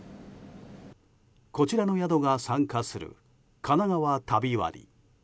こちらの宿が参加するかながわ旅割。